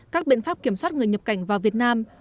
các biện pháp kiểm soát người nhập cảnh vào việt nam